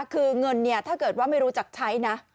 คือเงินเนี่ยถ้าเกิดว่าไม่รู้จักใช้นะ